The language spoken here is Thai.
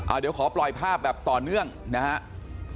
เดี๋ยวขอปล่อยภาพแบบต่อเนื่องนะครับ